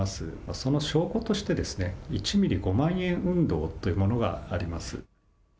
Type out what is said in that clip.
その証拠として、１ミリ５万円運動というものがあります。